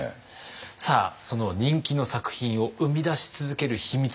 さあその人気の作品を生み出し続ける秘密。